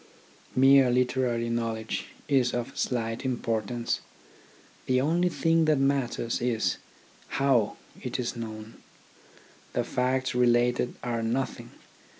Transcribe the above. Mere literary knowledge is of slight importance. The only thing that matters is, how it is known. The facts related are nothing.